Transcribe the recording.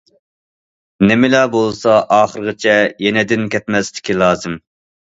نېمىلا بولسا ئاخىرىغىچە يېنىدىن كەتمەسلىكى لازىم.